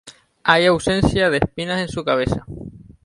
Hay ausencia de espinas en su cabeza.